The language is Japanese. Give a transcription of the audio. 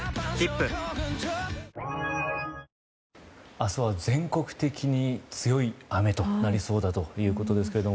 明日は全国的に強い雨となりそうだということですけれども。